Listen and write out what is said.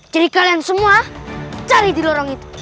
jadi kalian semua cari di lorong itu